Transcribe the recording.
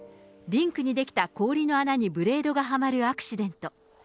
リンクに出来た氷の穴にブレードがはまるアクシデント。